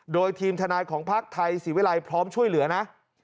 โดยทีมทนายของภาคไทยศรีวิรัยพร้อมช่วยเหลือนะ